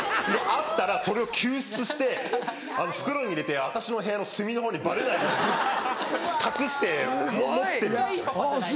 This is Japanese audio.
あったらそれを救出して袋に入れて私の部屋の隅のほうにバレないように隠して持ってるんです。